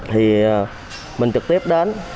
thì mình trực tiếp đến